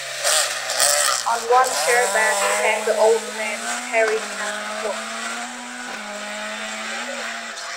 On one chair-back hang the old man's hairy cap and coat.